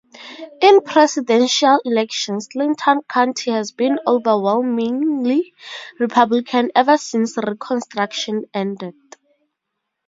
In presidential elections Clinton County has been overwhelmingly Republican ever since Reconstruction ended.